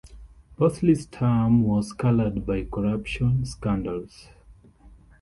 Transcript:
Bosley's term was colored by corruption scandals.